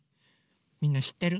みんなしってる？